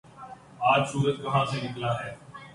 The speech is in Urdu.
آج سورج کہاں سے نکلا ہے